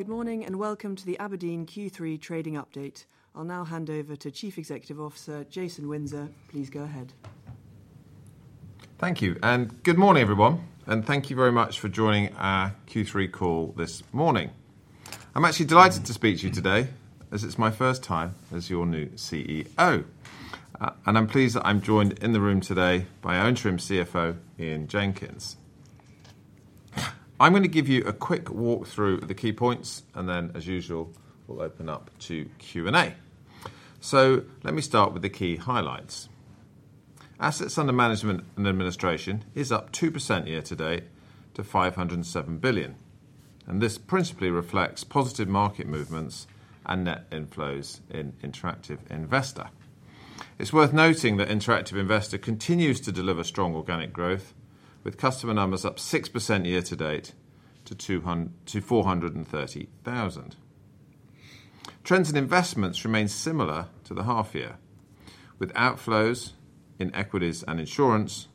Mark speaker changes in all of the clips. Speaker 1: Good morning, and welcome to the Aberdeen Q3 trading update. I'll now hand over to Chief Executive Officer, Jason Windsor. Please go ahead.
Speaker 2: Thank you. Good morning, everyone, and thank you very much for joining our Q3 call this morning. I'm actually delighted to speak to you today, as it's my first time as your new CEO. And I'm pleased that I'm joined in the room today by our interim CFO, Ian Jenkins. I'm going to give you a quick walk through of the key points, and then, as usual, we'll open up to Q&A. So let me start with the key highlights. Assets under management and administration is up 2% year-to-date to 507 billion, and this principally reflects positive market movements and net inflows in Interactive Investor. It's worth noting that Interactive Investor continues to deliver strong organic growth, with customer numbers up 6% year-to-date to 430,000. Trends in investments remain similar to the half year, with outflows in equities and insurance,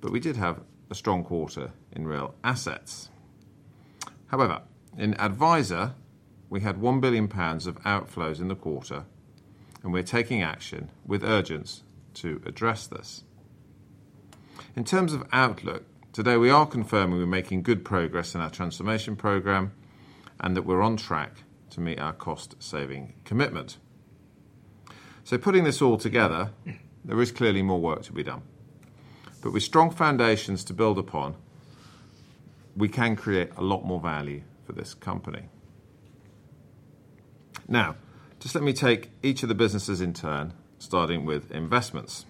Speaker 2: but we did have a strong quarter in real assets. However, in Adviser, we had 1 billion pounds of outflows in the quarter, and we're taking action with urgency to address this. In terms of outlook, today, we are confirming we're making good progress in our transformation program and that we're on track to meet our cost-saving commitment. So putting this all together, there is clearly more work to be done, but with strong foundations to build upon, we can create a lot more value for this company. Now, just let me take each of the businesses in turn, starting with investments.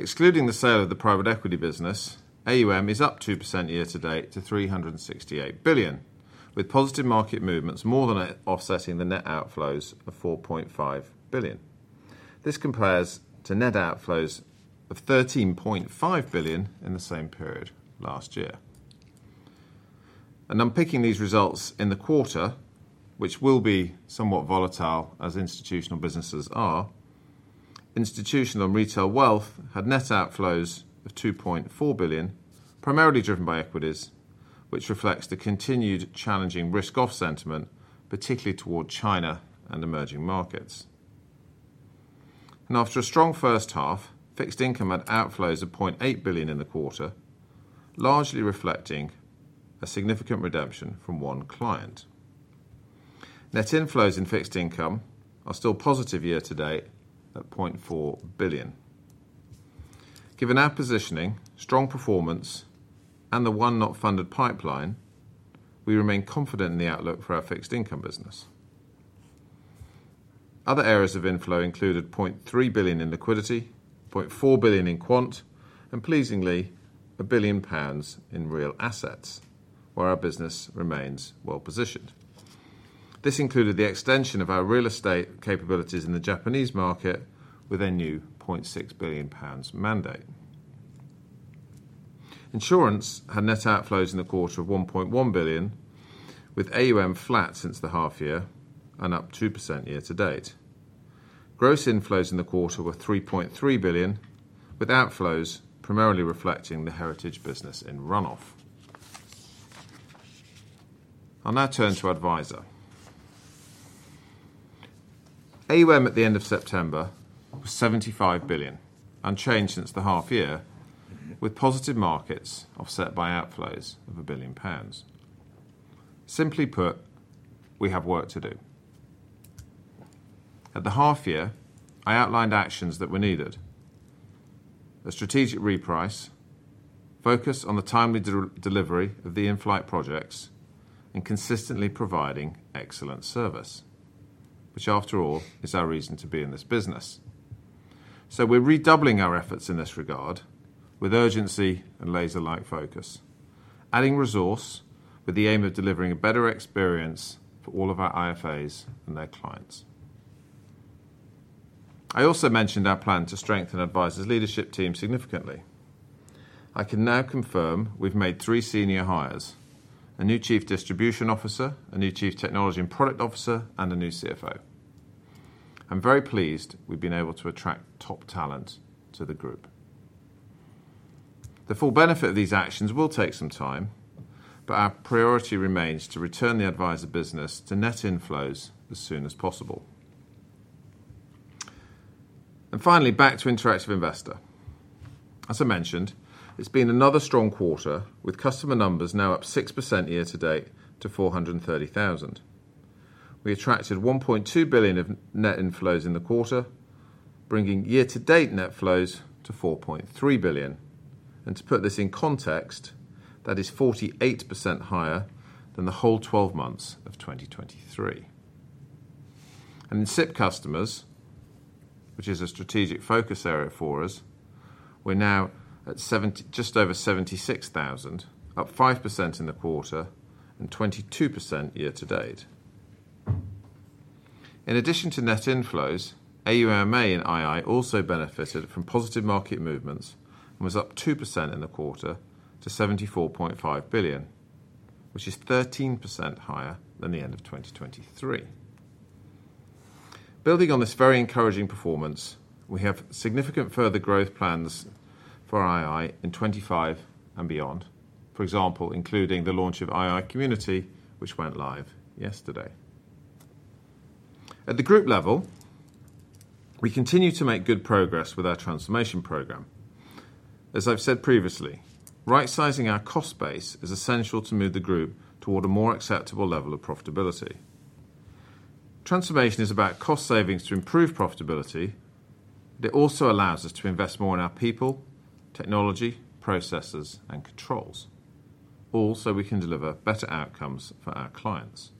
Speaker 2: Excluding the sale of the private equity business, AUM is up 2% year-to-date to 368 billion, with positive market movements more than offsetting the net outflows of 4.5 billion. This compares to net outflows of 13.5 billion in the same period last year. And unpicking these results in the quarter, which will be somewhat volatile as institutional businesses are, institutional and retail wealth had net outflows of 2.4 billion, primarily driven by equities, which reflects the continued challenging risk-off sentiment, particularly toward China and emerging markets. And after a strong first half, fixed income had outflows of 0.8 billion in the quarter, largely reflecting a significant redemption from one client. Net inflows in fixed income are still positive year-to-date at 0.4 billion. Given our positioning, strong performance, and the unfunded pipeline, we remain confident in the outlook for our fixed income business. Other areas of inflow included 0.3 billion in liquidity, 0.4 billion in quant, and pleasingly, 1 billion pounds in real assets, where our business remains well-positioned. This included the extension of our real estate capabilities in the Japanese market with a new GBP 0.6 billion mandate. Insurance had net outflows in the quarter of 1.1 billion, with AUM flat since the half year and up 2% year-to-date. Gross inflows in the quarter were 3.3 billion, with outflows primarily reflecting the heritage business in run-off. I'll now turn to Adviser. AUM at the end of September was 75 billion, unchanged since the half year, with positive markets offset by outflows of 1 billion pounds. Simply put, we have work to do. At the half year, I outlined actions that were needed: a strategic reprice, focus on the timely delivery of the in-flight projects, and consistently providing excellent service, which, after all, is our reason to be in this business. So we're redoubling our efforts in this regard with urgency and laser-like focus, adding resource with the aim of delivering a better experience for all of our IFAs and their clients. I also mentioned our plan to strengthen Adviser's leadership team significantly. I can now confirm we've made three senior hires: a new Chief Distribution Officer, a new Chief Technology and Product Officer, and a new CFO. I'm very pleased we've been able to attract top talent to the group. The full benefit of these actions will take some time, but our priority remains to return the Adviser business to net inflows as soon as possible. Finally, back to Interactive Investor. As I mentioned, it's been another strong quarter, with customer numbers now up 6% year-to-date to 430,000. We attracted 1.2 billion of net inflows in the quarter, bringing year-to-date net flows to 4.3 billion. To put this in context, that is 48% higher than the whole twelve months of 2023. SIPP customers, which is a strategic focus area for us, we're now at seventy... just over 76,000, up 5% in the quarter and 22% year-to-date. In addition to net inflows, AUMA in ii also benefited from positive market movements and was up 2% in the quarter to 74.5 billion, which is 13% higher than the end of 2023. Building on this very encouraging performance, we have significant further growth plans for ii in 2025 and beyond. For example, including the launch of ii Community, which went live yesterday. At the group level, we continue to make good progress with our transformation program. As I've said previously, rightsizing our cost base is essential to move the group toward a more acceptable level of profitability. Transformation is about cost savings to improve profitability, but it also allows us to invest more in our people, technology, processes, and controls, all so we can deliver better outcomes for our clients.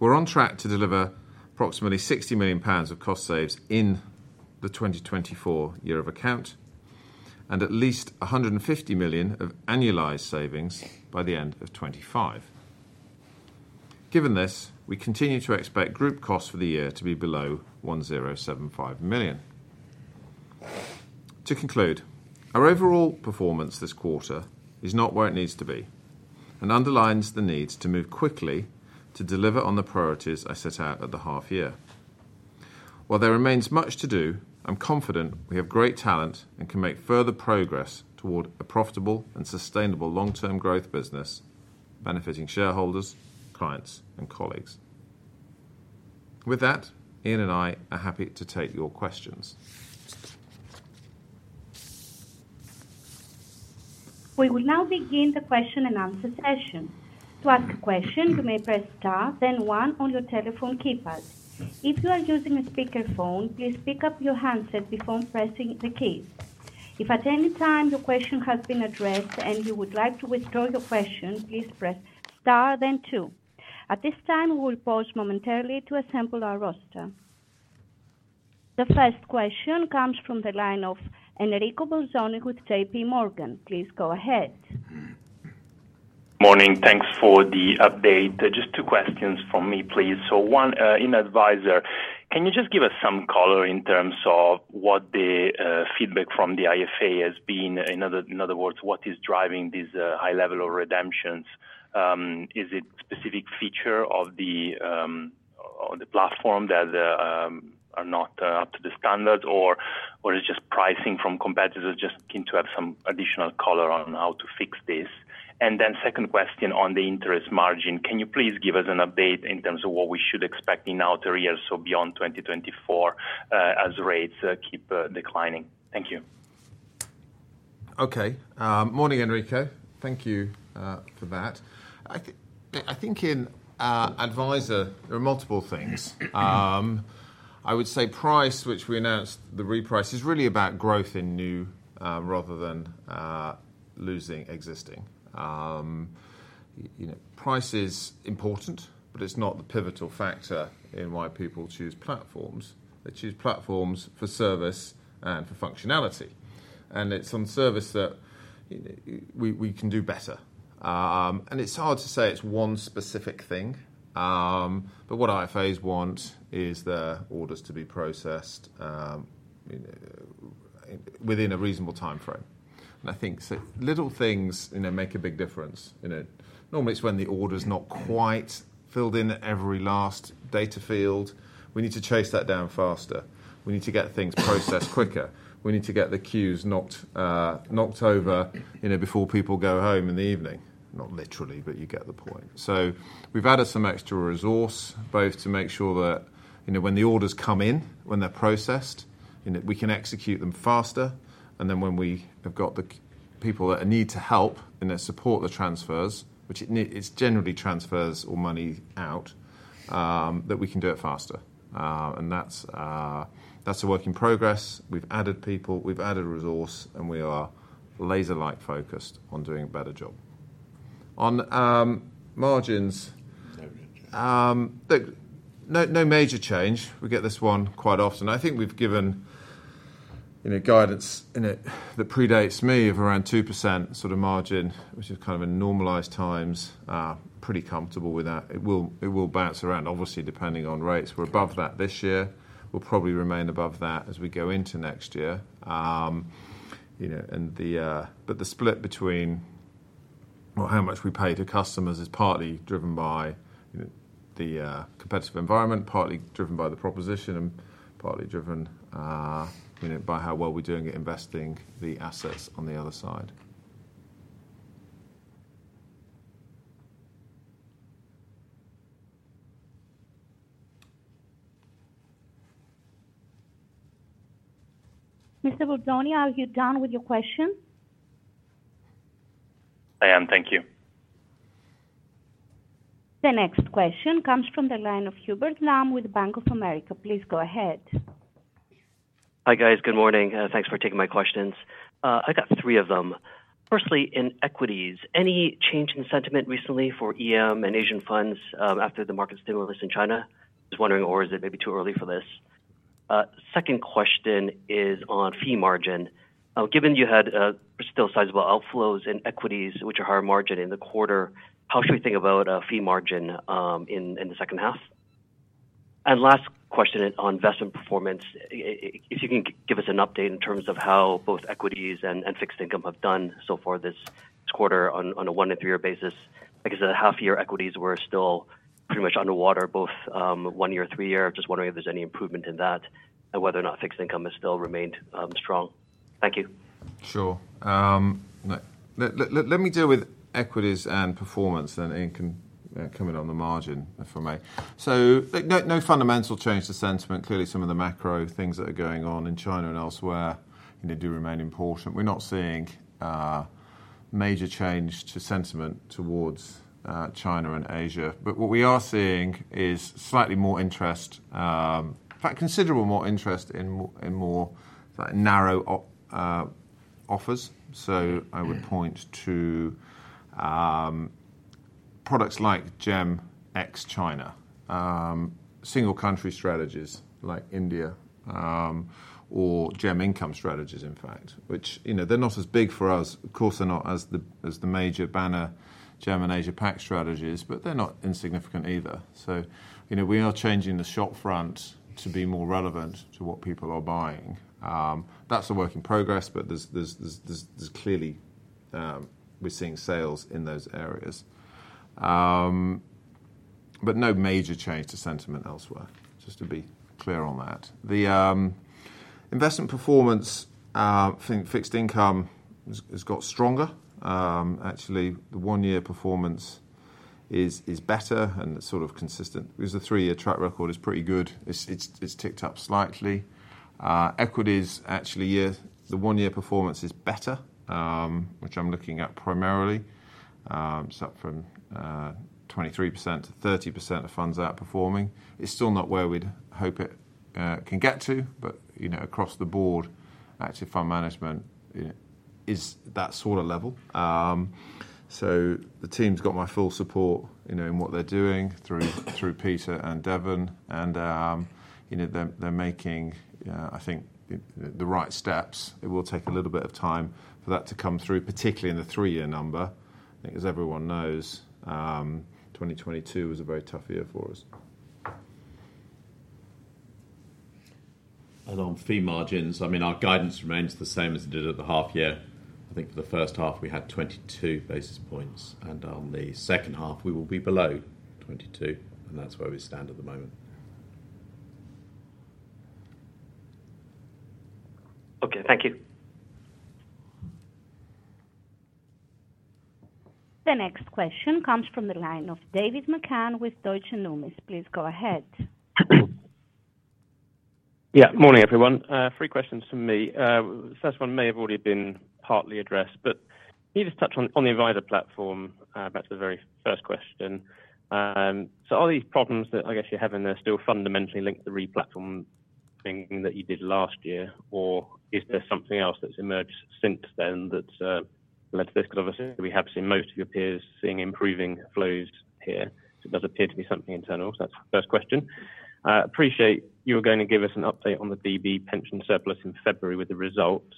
Speaker 2: We're on track to deliver approximately 60 million pounds of cost saves in the 2024 year of account, and at least 150 million of annualized savings by the end of 2025. Given this, we continue to expect group costs for the year to be below 1,075 million. To conclude, our overall performance this quarter is not where it needs to be and underlines the need to move quickly to deliver on the priorities I set out at the half year. While there remains much to do, I'm confident we have great talent and can make further progress toward a profitable and sustainable long-term growth business, benefiting shareholders, clients, and colleagues. With that, Ian and I are happy to take your questions.
Speaker 1: We will now begin the question and answer session. To ask a question, you may press star, then one on your telephone keypad. If you are using a speakerphone, please pick up your handset before pressing the keys. If at any time your question has been addressed and you would like to withdraw your question, please press star then two. At this time, we will pause momentarily to assemble our roster. The first question comes from the line of Enrico Bolzoni with JPMorgan. Please go ahead.
Speaker 3: Morning. Thanks for the update. Just two questions from me, please. So one, in Adviser, can you just give us some color in terms of what the feedback from the IFA has been? In other words, what is driving this high level of redemptions? Is it specific feature of the on the platform that are not up to the standard, or is just pricing from competitors? Just looking to have some additional color on how to fix this. And then second question on the interest margin. Can you please give us an update in terms of what we should expect in outer years, so beyond 2024, as rates keep declining? Thank you.
Speaker 2: Okay. Morning, Enrico. Thank you for that. I think in Adviser, there are multiple things. I would say price, which we announced the reprice, is really about growth in new rather than losing existing. You know, price is important, but it's not the pivotal factor in why people choose platforms. They choose platforms for service and for functionality, and it's on service that we can do better. And it's hard to say it's one specific thing, but what IFAs want is their orders to be processed within a reasonable timeframe. And I think so little things, you know, make a big difference in it. Normally, it's when the order's not quite filled in at every last data field. We need to chase that down faster. We need to get things processed quicker. We need to get the queues knocked over, you know, before people go home in the evening. Not literally, but you get the point. So we've added some extra resource, both to make sure that, you know, when the orders come in, when they're processed, you know, we can execute them faster, and then when we have got the people that are need to help and then support the transfers, which it's generally transfers or money out, that we can do it faster. And that's a work in progress. We've added people, we've added resource, and we are laser-like focused on doing a better job. On margins- No major change. No, no major change. We get this one quite often. I think we've given, you know, guidance in it that predates me of around 2% sort of margin, which is kind of in normalized times, pretty comfortable with that. It will bounce around, obviously, depending on rates. We're above that this year. We'll probably remain above that as we go into next year. You know, but the split between, well, how much we pay to customers is partly driven by, you know, the competitive environment, partly driven by the proposition, and partly driven, you know, by how well we're doing at investing the assets on the other side.
Speaker 1: Mr. Bolzoni, are you done with your question?
Speaker 3: I am. Thank you.
Speaker 1: The next question comes from the line of Hubert Lam with Bank of America. Please go ahead.
Speaker 4: Hi, guys. Good morning. Thanks for taking my questions. I got three of them. Firstly, in equities, any change in sentiment recently for EM and Asian funds after the market stimulus in China? Just wondering, or is it maybe too early for this? Second question is on fee margin. Given you had still sizable outflows in equities, which are higher margin in the quarter, how should we think about fee margin in the second half? Last question is on investment performance. If you can give us an update in terms of how both equities and fixed income have done so far this year, this quarter on a one to three-year basis, because the half year equities were still pretty much underwater, both one year, three year. Just wondering if there's any improvement in that, and whether or not fixed income has still remained, strong? Thank you.
Speaker 2: Sure. Let me deal with equities and performance, and then comment on the margin, if I may, so like, no fundamental change to sentiment. Clearly, some of the macro things that are going on in China and elsewhere, you know, do remain important. We're not seeing major change to sentiment towards China and Asia, but what we are seeing is slightly more interest, in fact, considerable more interest in more narrow offers, so I would point to products like GEM ex-China, single country strategies like India, or GEM Income strategies, in fact, which, you know, they're not as big for us. Of course, they're not as the major banner, GEM and Asia-Pac strategies, but they're not insignificant either. You know, we are changing the shop front to be more relevant to what people are buying. That's a work in progress, but there's clearly, we're seeing sales in those areas, but no major change to sentiment elsewhere, just to be clear on that. The investment performance, I think fixed income has got stronger. Actually, the one-year performance is better and sort of consistent. Because the three-year track record is pretty good. It's ticked up slightly. Equities, actually, the one-year performance is better, which I'm looking at primarily. It's up from 23%-30% of funds outperforming. It's still not where we'd hope it can get to, but you know, across the board, actually, fund management, you know, is that sort of level. So the team's got my full support, you know, in what they're doing through Peter and Devan, and, you know, they're making, I think, the right steps. It will take a little bit of time for that to come through, particularly in the three-year number. Because everyone knows, 2022 was a very tough year for us. On fee margins, I mean, our guidance remains the same as it did at the half year. I think for the first half, we had 22 basis points, and on the second half we will be below 22, and that's where we stand at the moment.
Speaker 4: Okay, thank you.
Speaker 1: The next question comes from the line of David McCann with Deutsche Numis. Please go ahead.
Speaker 5: Yeah, morning, everyone. Three questions from me. The first one may have already been partly addressed, but can you just touch on the Adviser platform? Back to the very first question. So are these problems that, I guess, you're having are still fundamentally linked to the replatform thing that you did last year, or is there something else that's emerged since then that led to this? Because obviously, we have seen most of your peers seeing improving flows here. So it does appear to be something internal. So that's the first question. Appreciate you were going to give us an update on the DB pension surplus in February with the results.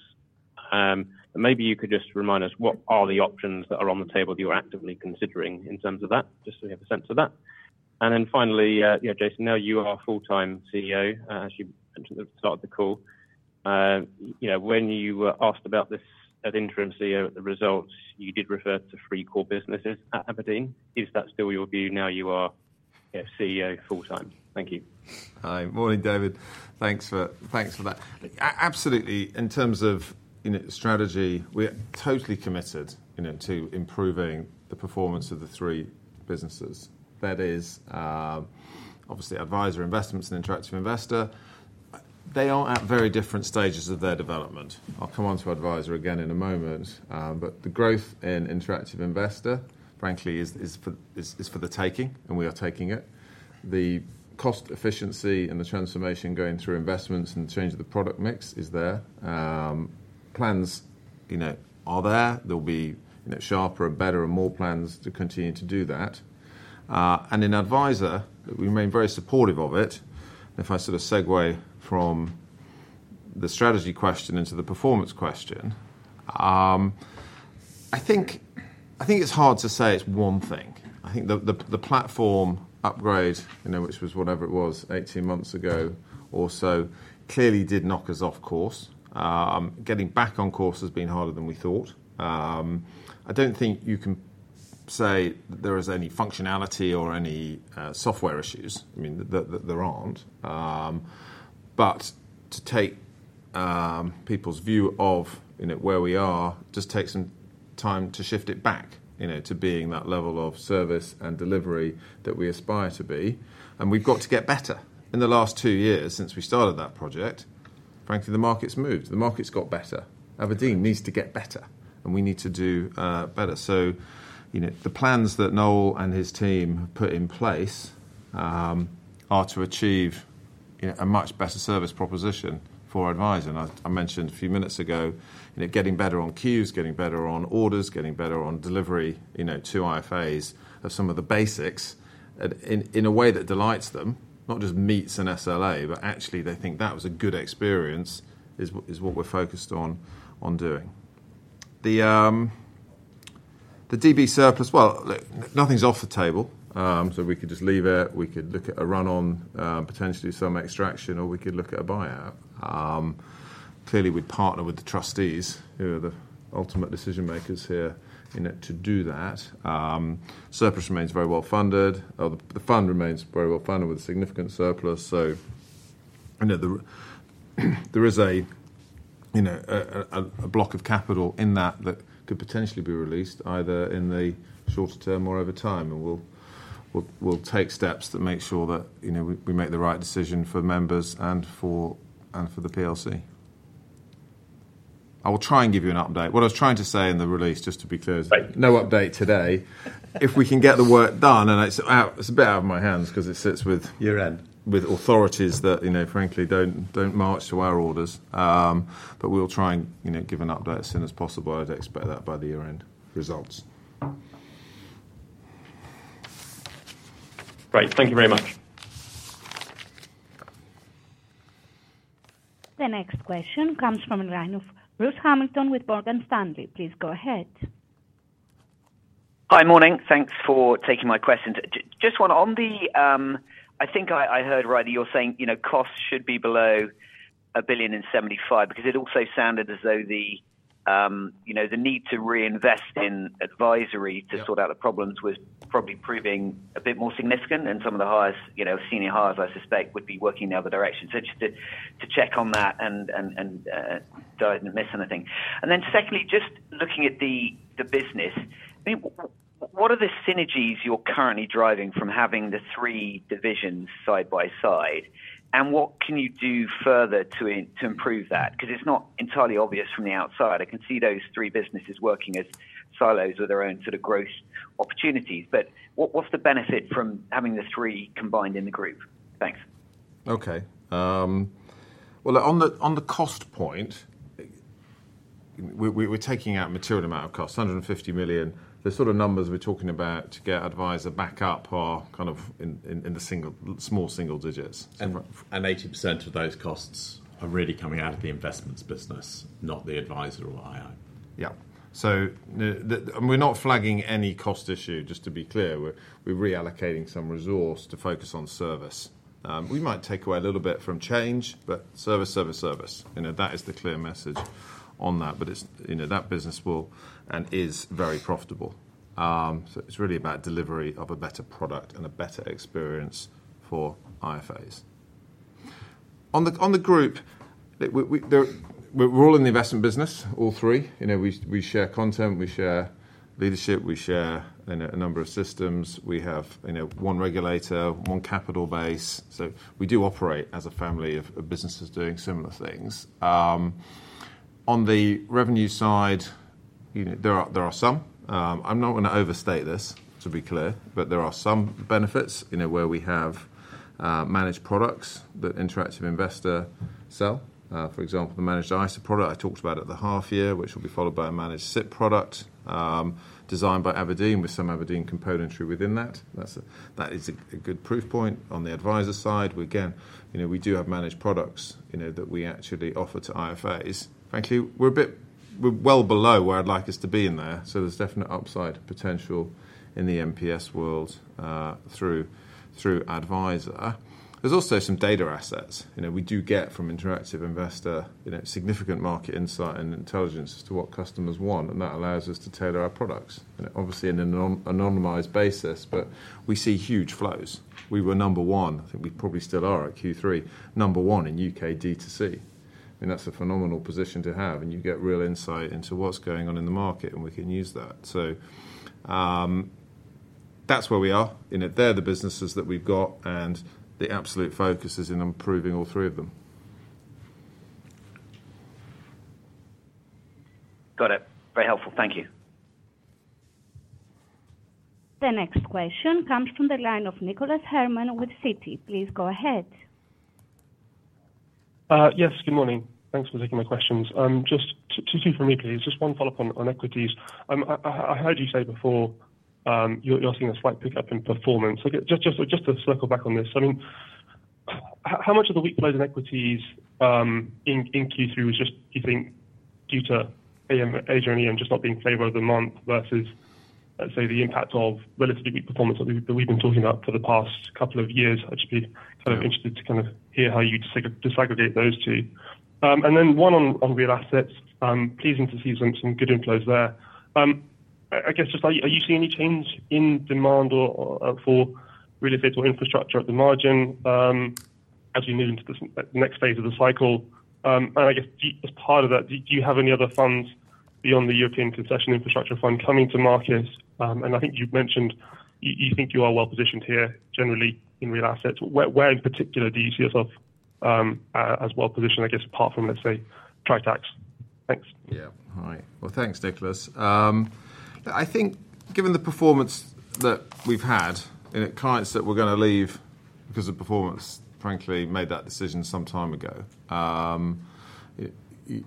Speaker 5: But maybe you could just remind us, what are the options that are on the table that you're actively considering in terms of that, just so we have a sense of that. And then finally, you know, Jason, now you are a full-time CEO, as you mentioned at the start of the call. You know, when you were asked about this as interim CEO at the results, you did refer to three core businesses at Aberdeen. Is that still your view now you are, yeah, CEO full-time? Thank you.
Speaker 2: Hi. Morning, David. Thanks for, thanks for that. Absolutely, in terms of, you know, strategy, we're totally committed, you know, to improving the performance of the three businesses. That is, obviously Adviser, Investments and Interactive Investor. They are at very different stages of their development. I'll come on to Adviser again in a moment, but the growth in Interactive Investor, frankly, is for the taking, and we are taking it. The cost efficiency and the transformation going through investments and change of the product mix is there. Plans, you know, are there. There'll be, you know, sharper and better and more plans to continue to do that, and in Adviser, we remain very supportive of it. If I sort of segue from the strategy question into the performance question, I think it's hard to say it's one thing. I think the platform upgrade, you know, which was whatever it was, eighteen months ago or so, clearly did knock us off course. Getting back on course has been harder than we thought. I don't think you can say there is any functionality or any software issues. I mean, there aren't. But to take people's view of, you know, where we are, just takes some time to shift it back, you know, to being that level of service and delivery that we aspire to be, and we've got to get better. In the last two years since we started that project, frankly, the market's moved, the market's got better. Aberdeen needs to get better, and we need to do better. So you know, the plans that Noel and his team have put in place are to achieve, you know, a much better service proposition for our advisors. And I mentioned a few minutes ago, you know, getting better on queues, getting better on orders, getting better on delivery, you know, to IFAs are some of the basics, and in a way that delights them, not just meets an SLA, but actually, they think that was a good experience, is what we're focused on doing. The DB surplus, well, look, nothing's off the table. So we could just leave it, we could look at a run-off, potentially some extraction, or we could look at a buyout. Clearly, we'd partner with the trustees, who are the ultimate decision-makers here, in it to do that. Surplus remains very well funded. The fund remains very well funded with a significant surplus, so I know there is, you know, a block of capital in that could potentially be released, either in the shorter term or over time, and we'll take steps to make sure that, you know, we make the right decision for members and for the PLC. I will try and give you an update. What I was trying to say in the release, just to be clear-
Speaker 5: Right.
Speaker 2: No update today. If we can get the work done, and it's out, it's a bit out of my hands 'cause it sits with- Your end. -with authorities that, you know, frankly, don't march to our orders. But we'll try and, you know, give an update as soon as possible. I'd expect that by the year-end results.
Speaker 5: Great. Thank you very much.
Speaker 1: The next question comes from the line of Ruth Hamilton with Morgan Stanley. Please go ahead.
Speaker 6: Hi, morning. Thanks for taking my questions. Just one, on the. I think I heard right, you're saying, you know, costs should be below a 1.75 billion, because it also sounded as though the, you know, the need to reinvest in advisory- Yeah To sort out the problems was probably proving a bit more significant than some of the highest, you know, senior hires, I suspect, would be working the other direction. So just to check on that and so I didn't miss anything. And then secondly, just looking at the business, I mean, what are the synergies you're currently driving from having the three divisions side by side? And what can you do further to improve that? 'Cause it's not entirely obvious from the outside. I can see those three businesses working as silos with their own sort of growth opportunities. But what's the benefit from having the three combined in the group? Thanks.
Speaker 2: Okay. Well, on the cost point, we're taking out a material amount of cost, 150 million. The sort of numbers we're talking about to get Adviser back up are kind of in the single, small single digits. 80% of those costs are really coming out of the Investments business, not the Adviser or ii. Yeah. So, and we're not flagging any cost issue, just to be clear. We're reallocating some resource to focus on service. We might take away a little bit from change, but service, service, service. You know, that is the clear message on that, but it's, you know, that business will and is very profitable. So it's really about delivery of a better product and a better experience for IFAs. On the group, we're all in the investment business, all three. You know, we share content, we share leadership, we share, you know, a number of systems. We have, you know, one regulator, one capital base. So we do operate as a family of businesses doing similar things. On the revenue side, you know, there are some. I'm not gonna overstate this, to be clear, but there are some benefits, you know, where we have managed products that Interactive Investor sell. For example, the managed ISA product I talked about at the half year, which will be followed by a managed SIPP product, designed by Aberdeen, with some Aberdeen componentry within that. That's a good proof point. On the Adviser side, we again, you know, we do have managed products, you know, that we actually offer to IFAs. Frankly, we're well below where I'd like us to be in there, so there's definite upside potential in the MPS world, through Adviser. There's also some data assets. You know, we do get from Interactive Investor, you know, significant market insight and intelligence as to what customers want, and that allows us to tailor our products. Obviously, in an anonymized basis, but we see huge flows. We were number one, I think we probably still are at Q3, number one in U.K. D2C, and that's a phenomenal position to have, and you get real insight into what's going on in the market, and we can use that. So, that's where we are. You know, they're the businesses that we've got, and the absolute focus is in improving all three of them.
Speaker 6: Got it. Very helpful. Thank you.
Speaker 1: The next question comes from the line of Nicholas Herman with Citi. Please go ahead.
Speaker 7: Yes, good morning. Thanks for taking my questions. Just two for me, please. Just one follow-up on equities. I heard you say before, you're seeing a slight pickup in performance. So just to circle back on this, I mean, how much of the weak flows in equities in Q2 was just, do you think, due to AM, Asia and EM just not being in favor of the month versus, let's say, the impact of relatively weak performance that we've been talking about for the past couple of years? I'd just be- Yeah... kind of interested to kind of hear how you disaggregate those two. And then one on real assets. Pleasing to see some good inflows there. I guess, just, are you seeing any change in demand or for real estate or infrastructure at the margin, as we move into this next phase of the cycle? And I guess, as part of that, do you have any other funds beyond the European Concession Infrastructure Fund coming to market? And I think you've mentioned, you think you are well positioned here, generally, in real assets. Where in particular do you see yourself as well positioned, I guess, apart from, let's say, Tritax? Thanks.
Speaker 2: Yeah. All right. Well, thanks, Nicholas. I think given the performance that we've had, and the clients that we're gonna leave, because of performance, frankly, made that decision some time ago. You know,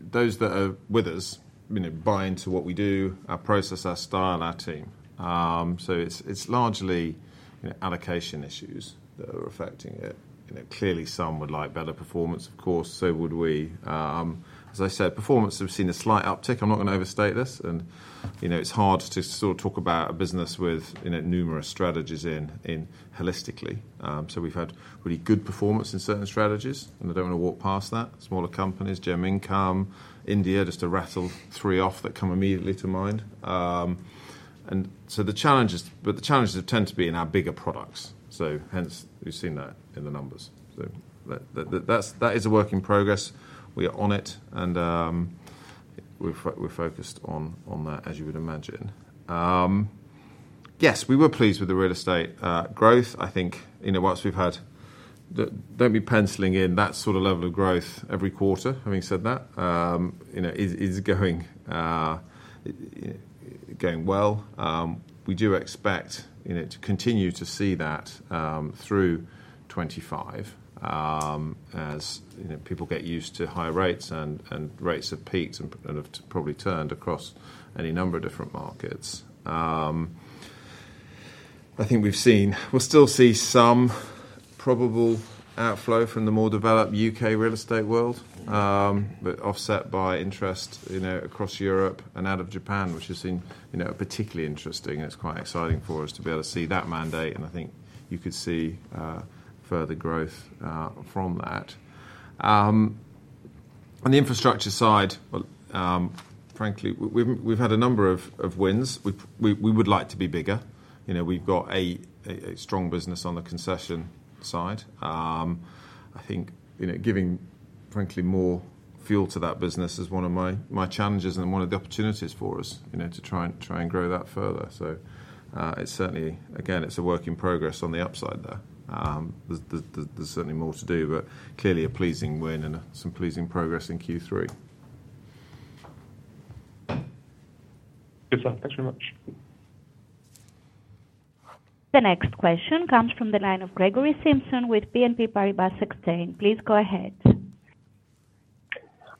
Speaker 2: those that are with us, you know, buy into what we do, our process, our style, our team. So it's largely, you know, allocation issues that are affecting it. You know, clearly, some would like better performance, of course, so would we. As I said, performance, we've seen a slight uptick. I'm not gonna overstate this and, you know, it's hard to sort of talk about a business with, you know, numerous strategies in holistically. So we've had really good performance in certain strategies, and I don't wanna walk past that. Smaller companies, GEM Income, India, just to rattle three off that come immediately to mind. The challenges tend to be in our bigger products, so hence, we've seen that in the numbers. So that is a work in progress. We are on it, and we're focused on that, as you would imagine. Yes, we were pleased with the real estate growth. I think, you know, whilst we've had the... Don't be penciling in that sort of level of growth every quarter. Having said that, you know, it is going well. We do expect, you know, to continue to see that through 2025, as you know, people get used to higher rates and rates have peaked and have probably turned across any number of different markets. I think we've seen, we'll still see some probable outflow from the more developed U.K. real estate world, but offset by interest, you know, across Europe and out of Japan, which has been, you know, particularly interesting. It's quite exciting for us to be able to see that mandate, and I think you could see, further growth, from that. On the infrastructure side, well, frankly, we've had a number of wins. We would like to be bigger. You know, we've got a strong business on the concession side. I think, you know, giving, frankly, more fuel to that business is one of my challenges and one of the opportunities for us, you know, to try and grow that further. So, it's certainly, again, it's a work in progress on the upside there. There's certainly more to do, but clearly a pleasing win and some pleasing progress in Q3.
Speaker 7: Yes, sir. Thanks very much.
Speaker 1: The next question comes from the line of Gregory Simpson with BNP Paribas Exane. Please go ahead.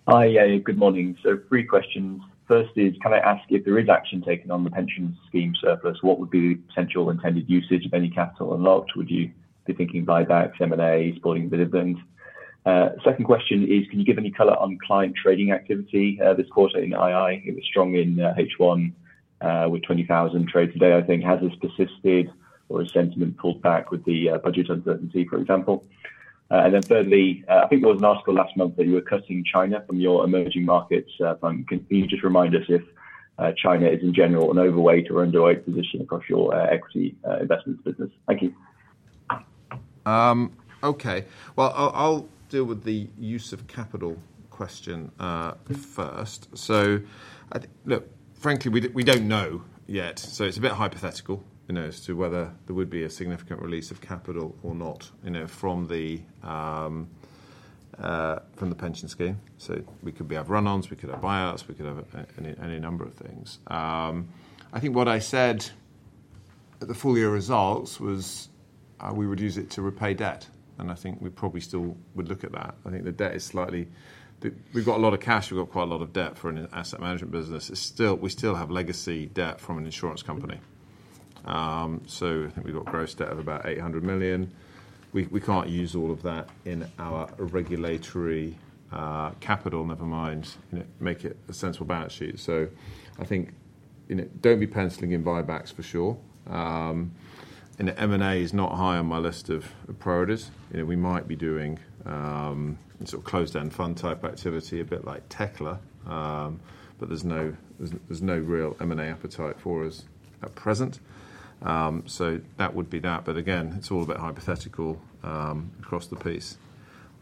Speaker 8: Hi. Yeah, good morning. So three questions. First is, can I ask if there is action taken on the pension scheme surplus, what would be the potential intended usage of any capital unlocked? Would you be thinking buybacks, M&A, supporting dividends? Second question is, can you give any color on client trading activity? This quarter in ii, it was strong in H1 with 20,000 trades a day, I think. Has this persisted or has sentiment pulled back with the budget uncertainty, for example? And then thirdly, I think there was an article last month that you were cutting China from your emerging markets fund. Can you just remind us if China is, in general, an overweight or underweight position across your equity investments business? Thank you.
Speaker 2: Okay. Well, I'll deal with the use of capital question first. So I think. Look, frankly, we don't know yet, so it's a bit hypothetical, you know, as to whether there would be a significant release of capital or not, you know, from the pension scheme. So we could have run-offs, we could have buyouts, we could have any number of things. I think what I said at the full year results was, we would use it to repay debt, and I think we probably still would look at that. I think the debt is slightly. We've got a lot of cash, we've got quite a lot of debt for an asset management business. It's still. We still have legacy debt from an insurance company. I think we've got gross debt of about 800 million. We can't use all of that in our regulatory capital, never mind, you know, make it a sensible balance sheet. I think, you know, don't be penciling in buybacks for sure. And M&A is not high on my list of priorities. You know, we might be doing sort of closed-end fund type activity, a bit like Tekla, but there's no real M&A appetite for us at present. So that would be that. But again, it's all a bit hypothetical across the piece.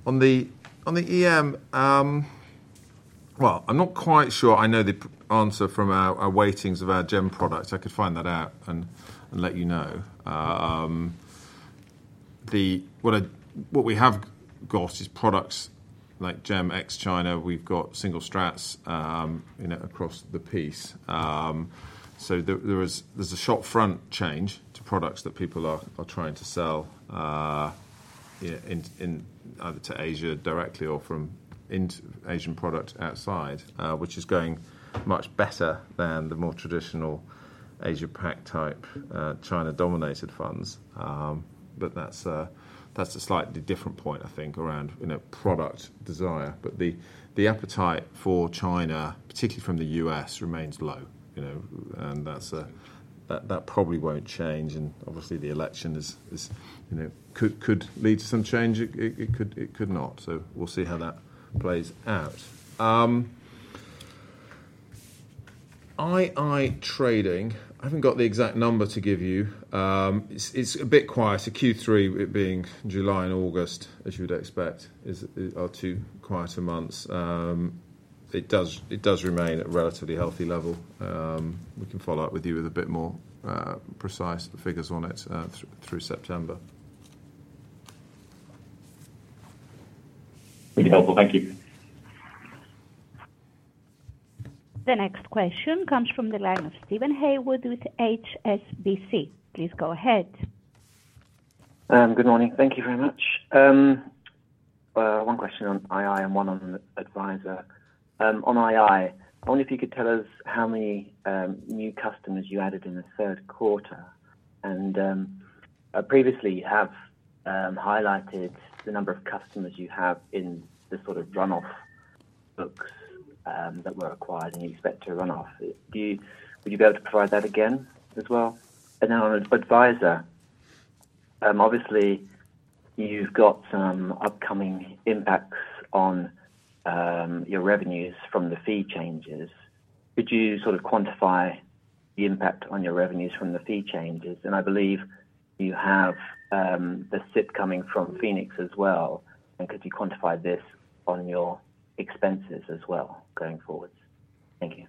Speaker 2: On the EM, well, I'm not quite sure I know the answer from our weightings of our GEM products. I could find that out and let you know. What we have got is products like GEM ex-China. We've got single strats, you know, across the piece. So there's a shop front change to products that people are trying to sell, you know, in either to Asia directly or from international Asian product outside, which is going much better than the more traditional Asia-Pac type, China-dominated funds. But that's a slightly different point, I think, around, you know, product desire. But the appetite for China, particularly from the U.S., remains low, you know, and that probably won't change, and obviously, the election is, you know, could lead to some change. It could not. So we'll see how that plays out. Ii trading, I haven't got the exact number to give you. It's a bit quieter. Q3, it being July and August, as you would expect, are two quieter months. It does remain at a relatively healthy level. We can follow up with you with a bit more precise figures on it through September.
Speaker 8: Really helpful. Thank you.
Speaker 1: The next question comes from the line of Steven Haywood with HSBC. Please go ahead.
Speaker 9: Good morning. Thank you very much. One question on ii and one on Adviser. On ii, I wonder if you could tell us how many new customers you added in the third quarter. And previously, you have highlighted the number of customers you have in the sort of run-off books that were acquired, and you expect to run off. Would you be able to provide that again as well? And then on Adviser, obviously, you've got some upcoming impacts on your revenues from the fee changes. Could you sort of quantify the impact on your revenues from the fee changes? And I believe you have the SIPP coming from Phoenix as well. And could you quantify this on your expenses as well, going forward? Thank you.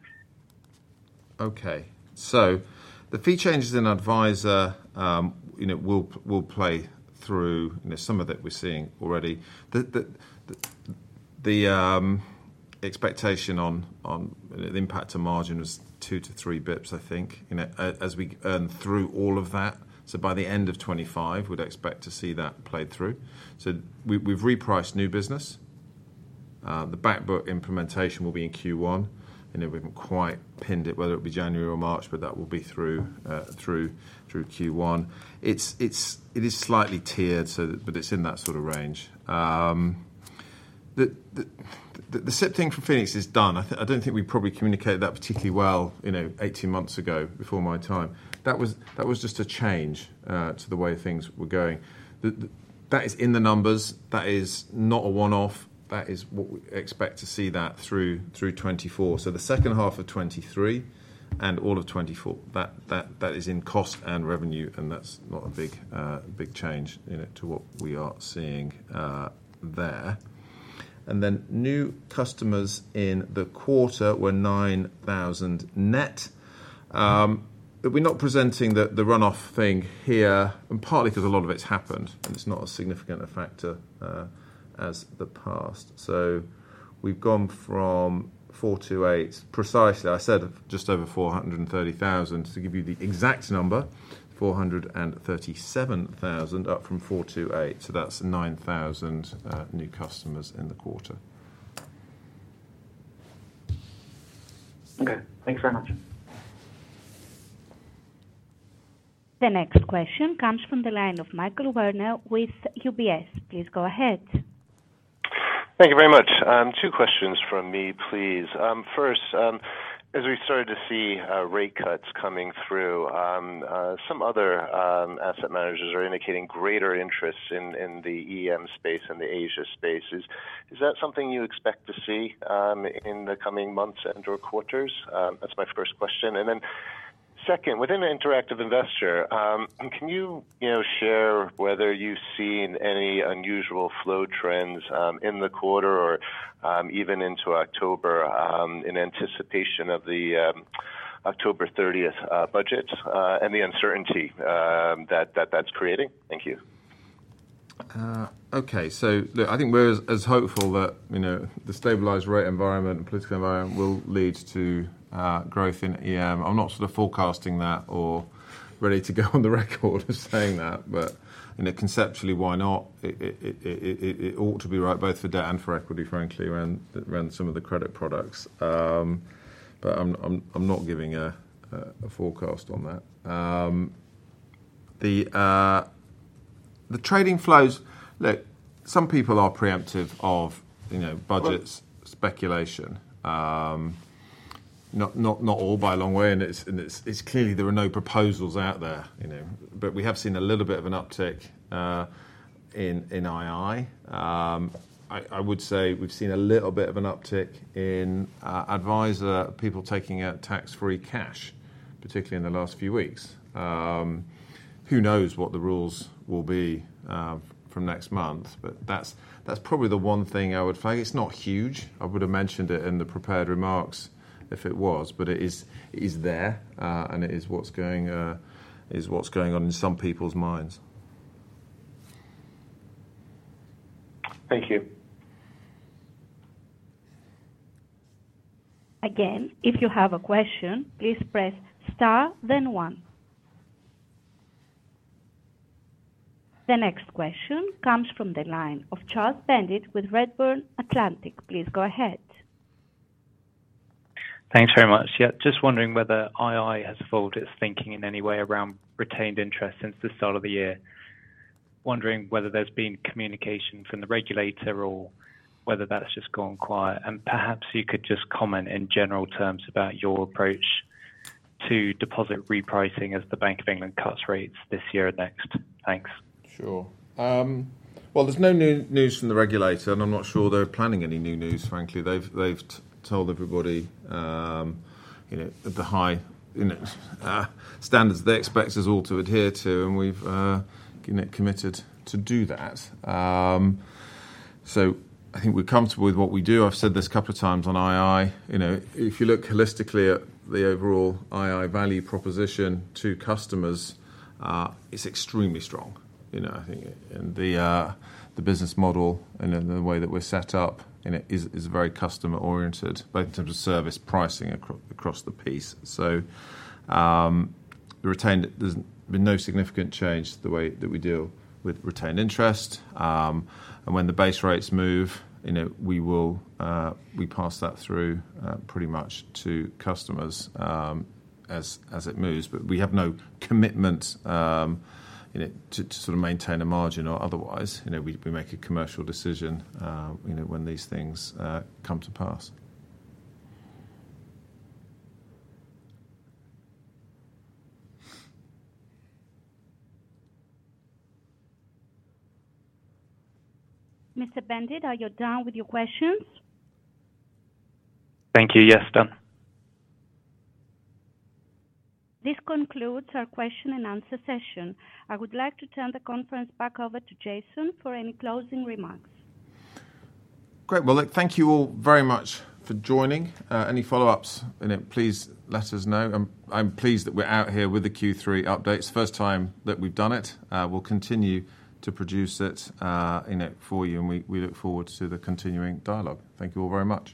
Speaker 2: Okay, so the fee changes in Adviser, you know, will play through, you know, some of that we're seeing already. The expectation on the impact to margin was two to three basis points, I think, you know, as we earn through all of that. So by the end of 2025, we'd expect to see that played through. So we've repriced new business. The back book implementation will be in Q1, and we haven't quite pinned it, whether it be January or March, but that will be through Q1. It is slightly tiered, so but it's in that range. The SIPP thing from Phoenix is done. I don't think we probably communicated that particularly well, you know, eighteen months ago, before my time. That was just a change to the way things were going. That is in the numbers. That is not a one-off. That is what we expect to see that through 2024. So the second half of 2023 and all of 2024, that is in cost and revenue, and that's not a big change, you know, to what we are seeing there. And then, new customers in the quarter were nine thousand net. But we're not presenting the run-off thing here, and partly because a lot of it's happened, and it's not a significant factor as the past. So we've gone from four to eight. Precisely, I said just over four hundred and thirty thousand, to give you the exact number, four hundred and thirty-seven thousand, up from four to eight. That's 9,000 new customers in the quarter.
Speaker 9: Okay, thanks very much.
Speaker 1: The next question comes from the line of Michael Werner with UBS. Please go ahead.
Speaker 10: Thank you very much. Two questions from me, please. First, as we started to see, rate cuts coming through, some other asset managers are indicating greater interest in the EM space and the Asia space. Is that something you expect to see in the coming months and/or quarters? That's my first question. And then, second, within the Interactive Investor, can you, you know, share whether you've seen any unusual flow trends in the quarter or even into October in anticipation of the October thirtieth budget and the uncertainty that that's creating? Thank you.
Speaker 2: Okay. So look, I think we're as hopeful that, you know, the stabilized rate environment and political environment will lead to growth in EM. I'm not sort of forecasting that or ready to go on the record as saying that, but, you know, conceptually, why not? It ought to be right, both for debt and for equity, frankly, around some of the credit products. But I'm not giving a forecast on that. The trading flows... Look, some people are preemptive of, you know, budgets, speculation. Not all by a long way, and it's clearly there are no proposals out there, you know. But we have seen a little bit of an uptick in ii. I would say we've seen a little bit of an uptick in Adviser, people taking out tax-free cash, particularly in the last few weeks. Who knows what the rules will be from next month? But that's probably the one thing I would find. It's not huge. I would have mentioned it in the prepared remarks if it was, but it is there, and it is what's going on in some people's minds.
Speaker 10: Thank you.
Speaker 1: Again, if you have a question, please press star then one. The next question comes from the line of Charles Bendit with Redburn Atlantic. Please go ahead.
Speaker 11: Thanks very much. Yeah, just wondering whether ii has evolved its thinking in any way around retained interest since the start of the year? Wondering whether there's been communication from the regulator or whether that's just gone quiet? And perhaps you could just comment in general terms about your approach to deposit repricing as the Bank of England cuts rates this year and next. Thanks.
Speaker 2: Sure. There's no new news from the regulator, and I'm not sure they're planning any new news, frankly. They've told everybody, you know, the high standards they expect us all to adhere to, and we've, you know, committed to do that. I think we're comfortable with what we do. I've said this a couple of times on ii. You know, if you look holistically at the overall ii value proposition to customers, it's extremely strong. You know, I think, and the business model and then the way that we're set up, you know, is very customer-oriented, both in terms of service pricing across the piece. The retained, there's been no significant change to the way that we deal with retained interest. And when the base rates move, you know, we pass that through pretty much to customers, as it moves. But we have no commitment, you know, to sort of maintain a margin or otherwise. You know, we make a commercial decision, you know, when these things come to pass.
Speaker 1: Mr. Bendit, are you done with your questions?
Speaker 11: Thank you. Yes, done.
Speaker 1: This concludes our question and answer session. I would like to turn the conference back over to Jason for any closing remarks.
Speaker 2: Great. Well, look, thank you all very much for joining. Any follow-ups, and then please let us know. I'm pleased that we're out here with the Q3 updates. First time that we've done it. We'll continue to produce it and it for you, and we look forward to the continuing dialogue. Thank you all very much.